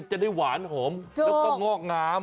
จะได้หวานหอมแล้วก็งอกงาม